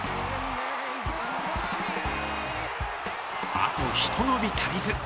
あとひと伸び足りず。